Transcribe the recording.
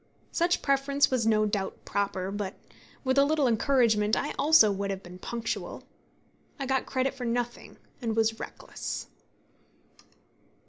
Such preference was no doubt proper; but, with a little encouragement, I also would have been punctual. I got credit for nothing, and was reckless.